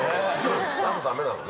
ナスダメなのね。